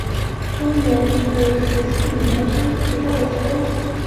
元朝至元十四年升池州为池州路。